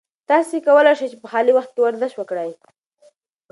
تاسي کولای شئ په خالي وخت کې ورزش وکړئ.